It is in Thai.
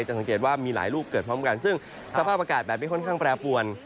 สังเกตว่ามีหลายลูกเกิดพร้อมกันซึ่งสภาพอากาศแบบนี้ค่อนข้างแปรปวน